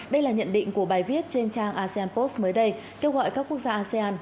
đây là nhận định của bài viết trên trang asean post mới đây kêu gọi các quốc gia asean